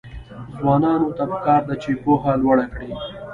ځوانانو ته پکار ده چې، پوهه لوړه کړي.